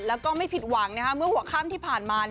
แล้วก็ไม่ผิดหวังเมื่อหัวค่ำที่ผ่านมา